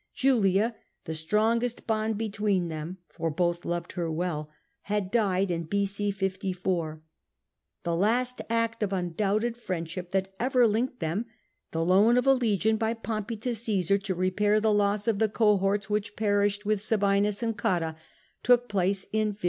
Julia, the strongest bond between them — for both loved her well — had died in B,o. 54. The last act of undoubted friendship that ever linked them — the loan of a legion by Pompey to Gassar to repair the loss of the cohorts which perished with Sabinus and Cotta — took place in 53.